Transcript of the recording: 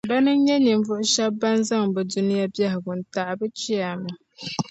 Bana n-nyɛ ninvuɣu shɛba ban zaŋ bɛ Dunia biεhigu n-taɣi bɛ Chiyaama.